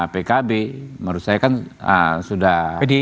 pkb menurut saya kan sudah